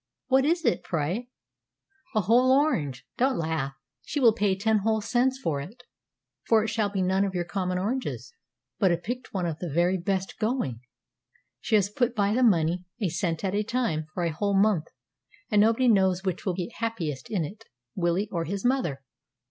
"What is it, pray?" "A whole orange! Don't laugh. She will pay ten whole cents for it; for it shall be none of your common oranges, but a picked one of the very best going! She has put by the money, a cent at a time, for a whole month; and nobody knows which will be happiest in it, Willie or his mother.